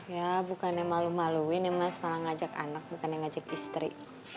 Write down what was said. ya bukannya malu maluin ya mas malah ngajak anak bukannya ngajak istri